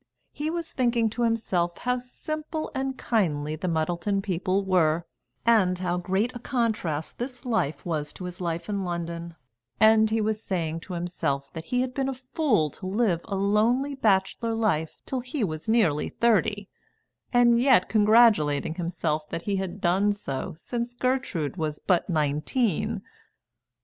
He was thinking to himself how simple and kindly the Muddleton people were, and how great a contrast this life was to his life in London; and he was saying to himself that he had been a fool to live a lonely bachelor life till he was nearly thirty, and yet congratulating himself that he had done so since Gertrude was but nineteen.